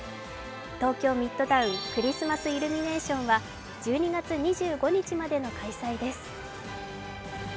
東京ミッドタウン、クリスマスイルミネーションは１２月２５日までの開催です。